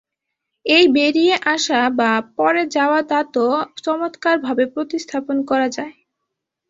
এই বেরিয়ে আসা বা পড়ে যাওয়া দাঁতও চমৎকারভাবে প্রতিস্থাপন করা যায়।